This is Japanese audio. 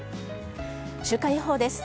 週間予報です。